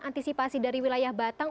antisipasi dari wilayah batang